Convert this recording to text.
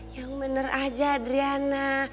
yang bener aja adriana